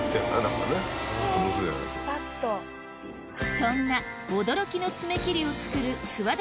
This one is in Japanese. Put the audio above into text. そんな驚きの爪切りをつくる諏訪田